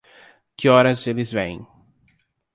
Que horas eles vêm?